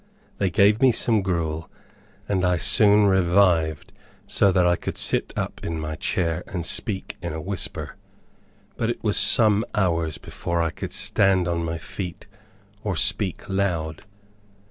They gave me some gruel, and I soon revived so that I could sit up in my chair and speak in a whisper. But it was some hours before I could stand on my feet or speak loud.